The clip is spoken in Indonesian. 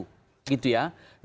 keberadaan kita adalah keberadaan itu